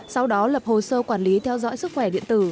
sau đó lập hồ sơ quản lý theo dõi sức khỏe điện tử